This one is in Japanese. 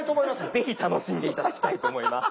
是非楽しんで頂きたいと思います。